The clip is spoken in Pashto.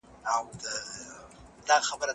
ابو نصر فارابي یو لوی مسلمان فیلسوف و.